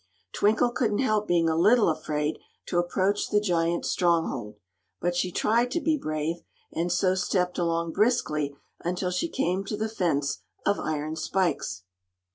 Twinkle couldn't help being a little afraid to approach the giant's stronghold, but she tried to be brave, and so stepped along briskly until she came to the fence of iron spikes.